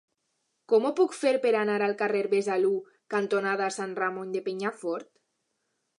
Com ho puc fer per anar al carrer Besalú cantonada Sant Ramon de Penyafort?